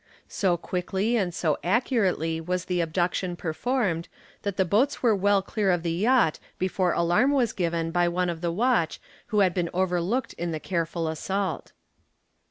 So quickly and so accurately was the abduction performed that the boats were well clear of the yacht before alarm was given by one of the watch who had been overlooked in the careful assault.